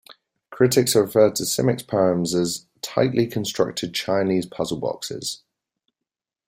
Critics have referred to Simic's poems as "tightly constructed Chinese puzzle boxes".